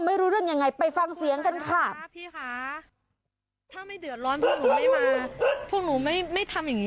ไม่รู้เรื่องยังไงไปฟังเสียงกันค่ะ